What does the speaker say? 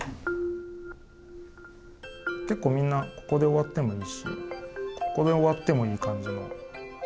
結構みんなここで終わってもいいしここで終わってもいい感じの。